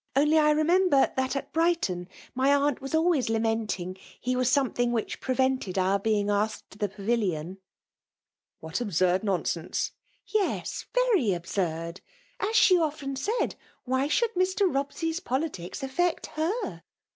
Only I remember, that, sit Brighton, my aunt waa always lamenting he was something which prevented our being a&ked to the Pavilion/' " What absurd nonsense T* / *'YeB^ very absurd! — ^As she often said, wl|y.{should Mr. Bobsey'a politics affect her